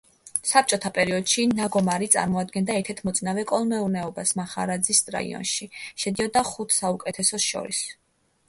საბჭოთა პერიოდში ნაგომარი წარმოადგენდა ერთ-ერთ მოწინავე კოლმეურნეობას მახარაძის რაიონში და შედიოდა ხუთ საუკეთესოს შორის.